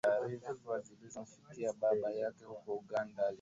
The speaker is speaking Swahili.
Kati ya mashariki na magharibi ni kilomita elfu nne na mia mbili